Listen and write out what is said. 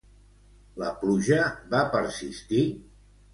La pluja va persistir?